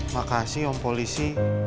makasih om polisi